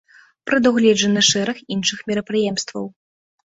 Прадугледжаны шэраг іншых мерапрыемстваў.